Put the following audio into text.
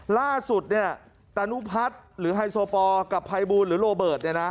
ล่าสุดตานุพัฒน์หรือไฮโซปอลกับภัยบูลหรือโรเบิร์ต